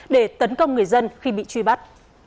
để tấn công người dân khi bị truy bắt